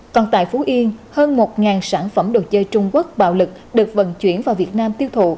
còn tại phú yên hơn một sản phẩm đồ chơi trung quốc bạo lực được vận chuyển vào việt nam tiêu thụ